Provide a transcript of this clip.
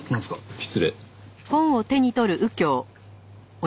失礼。